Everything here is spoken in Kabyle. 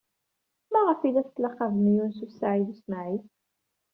Maɣef ay la tettlaqabem Yunes u Saɛid u Smaɛil?